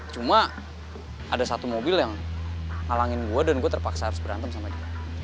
cuma ada satu mobil yang halangin gue dan gue terpaksa harus berantem sama kita